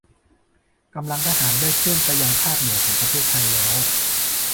กำลังทหารได้เคลื่อนไปยังภาคเหนือของประเทศแล้ว